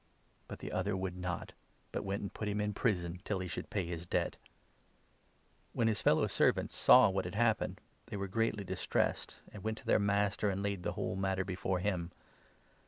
But the other would not, but went 30 and put him in prison till he should pay his debt. When his 31 fellow servants saw what had happened, they were greatly distressed, and went to their master and laid the whole matter before him.